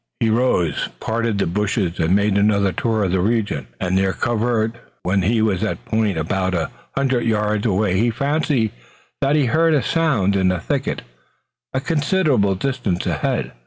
He rose, parted the bushes and made another tour of the region about their covert. When he was at a point about a hundred yards away he fancied that he heard a sound in a thicket a considerable distance ahead.